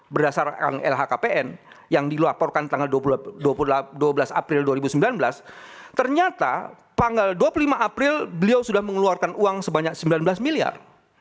berdasarkan lhkpn yang dilaporkan tanggal dua belas april dua ribu sembilan belas ternyata tanggal dua puluh lima april beliau sudah mengeluarkan uang sebanyak sembilan belas miliar